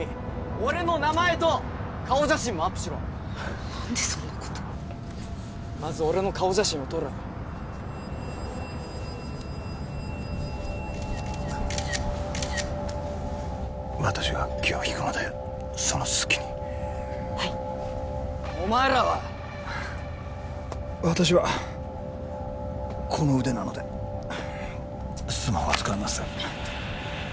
俺の名前と顔写真もアップしろ何でそんなことまず俺の顔写真を撮れ私が気を引くのでその隙にはいお前らは私はこの腕なのでスマホは使えません